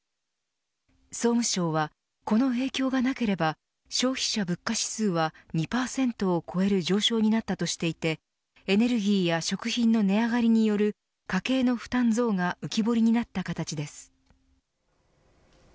総務省は、この影響がなければ消費者物価指数は２％を超える上昇になったとしていてエネルギーや食品の値上がりによる家計の負担増が浮き彫りになった形です。